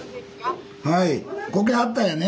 こけはったんやね？